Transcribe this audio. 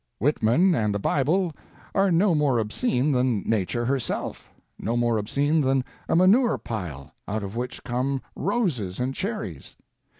Whitman and the Bible are no more obscene than Nature herself no more obscene than a manure pile, out of which come roses and cherries.